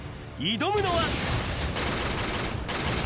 挑むのは。